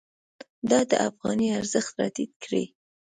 دا د افغانۍ ارزښت راټیټ کړی.